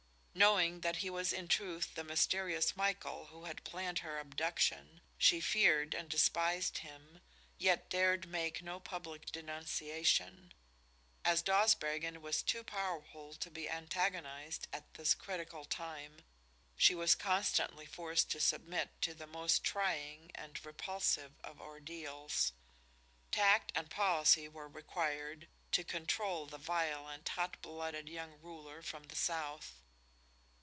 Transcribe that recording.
Knowing that he was in truth the mysterious Michael who had planned her abduction, she feared and despised him, yet dared make no public denunciation. As Dawsbergen was too powerful to be antagonized at this critical time, she was constantly forced to submit to the most trying and repulsive of ordeals. Tact and policy were required to control the violent, hot blooded young ruler from the south.